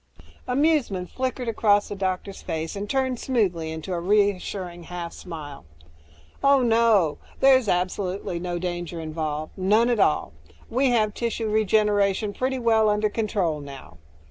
Amusement flickered across the doctor's face, turned smoothly into a reassuring half smile. "Oh, no. There's absolutely no danger involved. None at all. We have tissue regeneration pretty well under control now.